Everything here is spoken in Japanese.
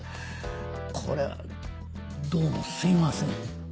こりゃどうもすいません。